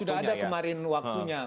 sudah ada kemarin waktunya